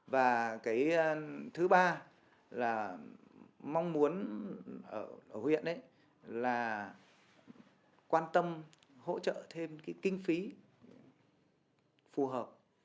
và cái thứ ba là mong muốn ở huyện là quan tâm hỗ trợ thêm cái kinh phí phù hợp